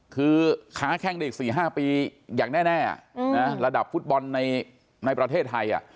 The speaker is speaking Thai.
คือค้าแข้งได้อีก๔๕ปีอย่างแน่ระดับฟุตบอลในประเทศไทย